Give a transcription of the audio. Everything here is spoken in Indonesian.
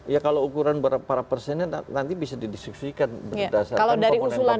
ya kalau ukuran para persennya nanti bisa didistripsikan berdasarkan komponen komponen itu tadi